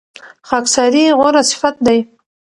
خاکساري غوره صفت دی.